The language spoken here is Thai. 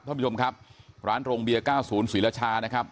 ท่านผู้ชมครับร้านโรงเบียร์๙๐ศรีรชานะครับ